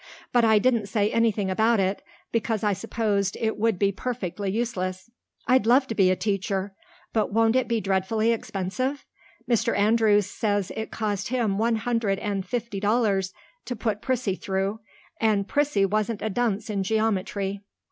But I didn't say anything about it, because I supposed it would be perfectly useless. I'd love to be a teacher. But won't it be dreadfully expensive? Mr. Andrews says it cost him one hundred and fifty dollars to put Prissy through, and Prissy wasn't a dunce in geometry."